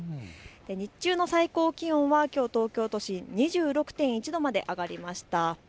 日中の最高気温はきょう東京都心２６．１度まで上がりました。